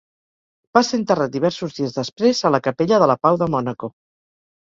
Va ser enterrat diversos dies després a la capella de la Pau de Mònaco.